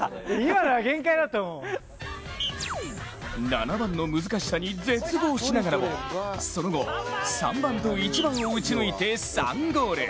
７番の難しさに絶望しながらもその後、３番と１番を打ち抜いて３ゴール。